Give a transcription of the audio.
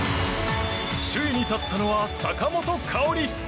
首位に立ったのは坂本花織。